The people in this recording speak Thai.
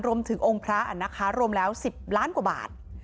รวมถึงองค์พระนะคะรวมแล้ว๑๐ล้านกว่าบาท